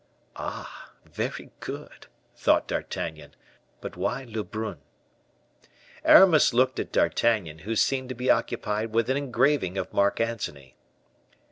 "Ah, very good," thought D'Artagnan; "but why Lebrun?" Aramis looked at D'Artagnan, who seemed to be occupied with an engraving of Mark Antony.